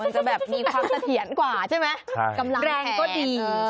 มันจะแบบมีความเสถียรกว่าใช่ไหมแรงก็ดี